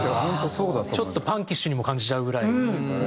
ちょっとパンキッシュにも感じちゃうぐらい。